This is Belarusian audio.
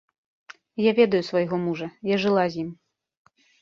Я ведаю свайго мужа, я жыла з ім.